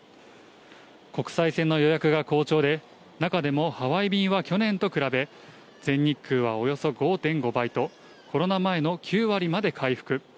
国際線の予約が好調で、中でもハワイ便は去年と比べ、全日空はおよそ５．５倍と、コロナ前の９割まで回復。